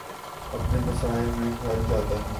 اپنے مسائل میں گھر جاتا ہوں